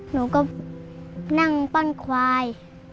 หนูก็นั่งปั้นควาย